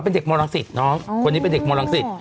เป็นเด็กมรังสิตน้องคนนี้เป็นเด็กมรังสิต